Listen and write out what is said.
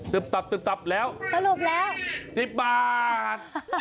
ตึบตับตึบตับแล้วสรุปแล้ว๑๐บาท